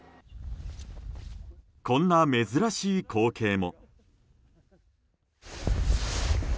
こんな珍しい光景も。